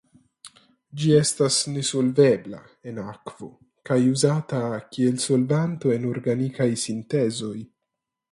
Ĝi estas nesolvebla en akvo kaj uzata kiel solvanto en organikaj sintezoj.